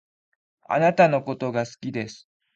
あなたのことが好きです